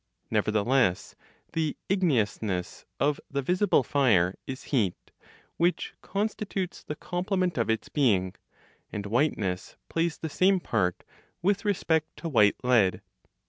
Nevertheless, the igneousness of the visible fire is heat, which constitutes the complement of its being; and whiteness plays the same part with respect to white lead.